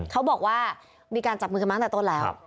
เขาบอกว่ามีการจับมือกันมาตั้งแต่ต้นแล้ว